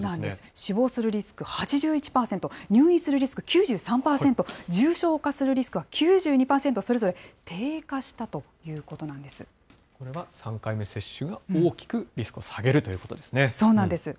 死亡するリスク８１％、入院するリスク、９３％、重症化するリスクは９２％、それぞれ低下したということなんこれは３回目接種が大きくリそうなんです。